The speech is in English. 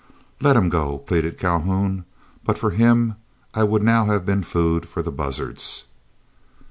"Let him go," pleaded Calhoun; "but for him I would now have been food for the buzzards."